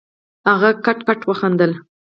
هغه کټ کټ وخندل.